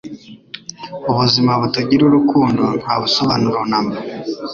Ubuzima butagira urukundo nta busobanuro namba.